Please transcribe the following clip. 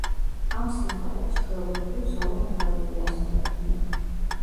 ამ სიმღერებს, ჩვეულებრივ, სოლო მომღერლები ასრულებდნენ.